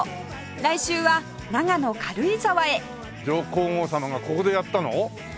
来週は長野軽井沢へ上皇后さまがここでやったの？